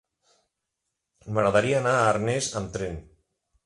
M'agradaria anar a Arnes amb tren.